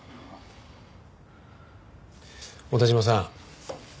小田嶋さん。